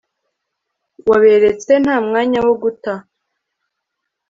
waberetse, nta mwanya wo guta